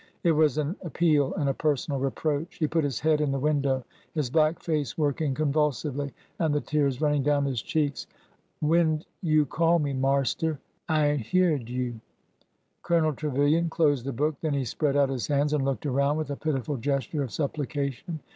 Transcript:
It was an ap peal and a personal reproach. He put his head in the window, his black face working convulsively, and the tears running down his cheeks. '' When M you call me, marster ? I ain't hyeahed you." Colonel Trevilian closed the book. Then he spread out his hands and looked around with a pitiful gesture of sup plication.